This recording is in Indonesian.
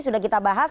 sudah kita bahas